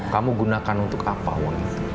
kamu gunakan untuk apa uang